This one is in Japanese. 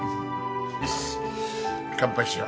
よし乾杯しよう。